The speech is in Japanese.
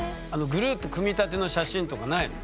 グループ組みたての写真とかないの？